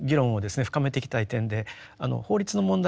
深めていきたい点で法律の問題